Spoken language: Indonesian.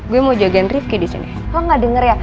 gue mau jagain rifki disini lo nggak denger ya